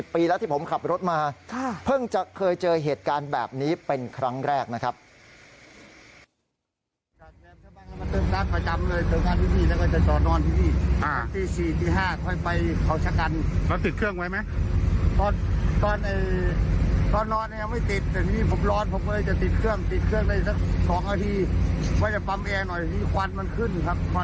ปีแล้วที่ผมขับรถมาเพิ่งจะเคยเจอเหตุการณ์แบบนี้เป็นครั้งแรกนะครับ